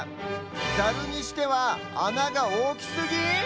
ざるにしてはあながおおきすぎ⁉